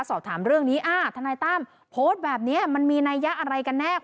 สอบถามเรื่องนี้ทนายตั้มโพสต์แบบนี้มันมีนัยยะอะไรกันแน่